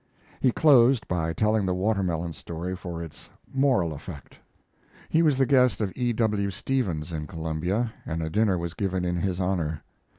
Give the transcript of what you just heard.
He closed by telling the watermelon story for its "moral effect." He was the guest of E. W. Stevens in Columbia, and a dinner was given in his honor.